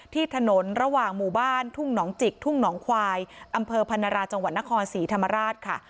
ที่ถนนระหว่างหมู่บ้านทุ่งหนองจิกทุ่งหนองควายอำเภอพันราจังหวัดนครศรีธรรมราชค่ะ